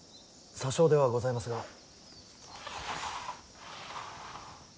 些少ではございますが。